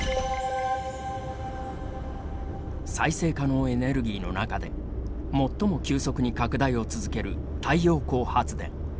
再生可能エネルギーの中で最も急速に拡大を続ける太陽光発電。